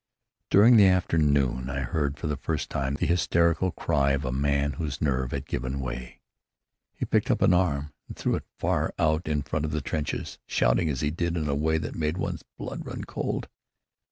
During the afternoon I heard for the first time the hysterical cry of a man whose nerve had given way. He picked up an arm and threw it far out in front of the trenches, shouting as he did so in a way that made one's blood run cold.